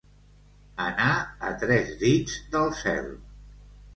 Anar a tres dits del cel.